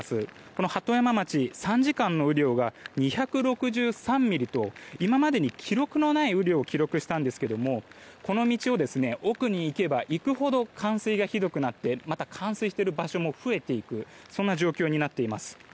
この鳩山町３時間の雨量が２６３ミリと今までに記録のない雨量を確認したんですがこの道を奥に行けば行くほど冠水がひどくなってまた冠水している場所も増えていくそんな状況になっています。